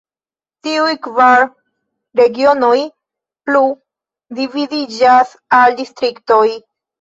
Tiuj kvar regionoj plu dividiĝas al distriktoj.